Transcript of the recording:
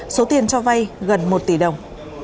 số tiền cho vai gần một tỷ đồng